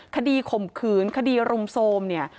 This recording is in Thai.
ข่มขืนคดีรุมโทรมเนี่ย